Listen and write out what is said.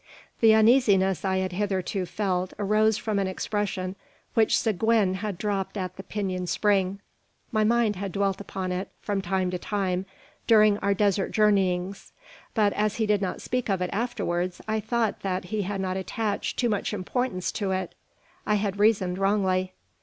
The uneasiness I had hitherto felt arose from an expression which Seguin had dropped at the Pinon spring. My mind had dwelt upon it, from time to time, during our desert journeyings; but as he did not speak of it afterwards, I thought that he had not attached so much importance to it. I had reasoned wrongly.